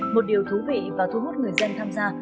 một điều thú vị và thu hút người dân tham gia